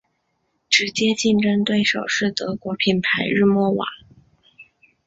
直接竞争对手是德国品牌日默瓦。